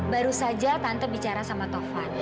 baru saja tante bicara sama tovan